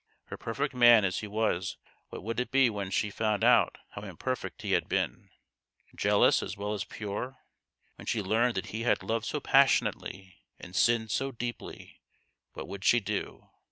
Her perfect man as he was what would it be when she found out how imperfect he had been ? jealous as well as pure ; when she learned that he had loved so passionately and sinned so deeply, what would she do